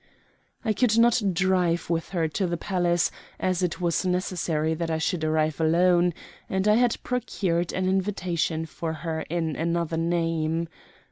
I could not drive with her to the palace, as it was necessary that I should arrive alone, and I had procured an invitation for her in another name.